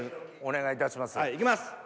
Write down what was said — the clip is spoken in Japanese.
お願いいたします。